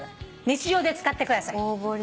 日常で使ってください。